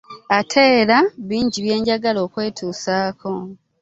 Ate rea binji byenjagala okwetusaako .